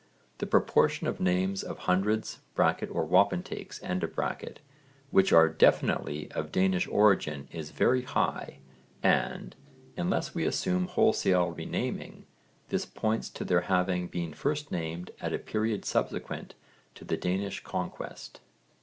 The proportion of names of hundreds (or wapentakes) which are definitely of Danish origin is very high and, unless we assume wholesale renaming, this points to their having been first named at a period subsequent to the Danish conquest.